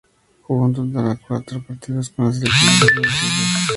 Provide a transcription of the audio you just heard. Jugó un total de cuatro partidos con la selección de fútbol de Suecia.